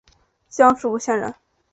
江苏吴县人。